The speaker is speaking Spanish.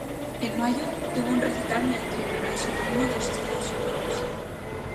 En mayo, tuvo un recital en el Tribunal Supremo de los Estados Unidos.